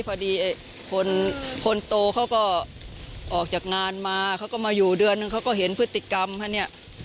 พอดีคนโตเขาก็ออกจากงานมาเขาก็มาอยู่เดือนนึงเขาก็เห็นพฤติกรรมเขาเนี่ย